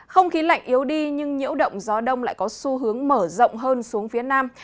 không khí lạnh yếu đi nhưng nhiễu động gió đông lại có xu hướng mở rộng hơn xuống phía nam